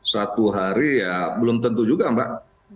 satu hari ya belum tentu juga mbak